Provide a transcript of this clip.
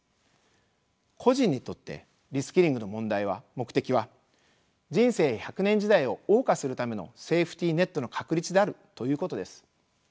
個人にとってリスキリングの目的は人生１００年時代をおう歌するためのセーフティーネットの確立であるということです。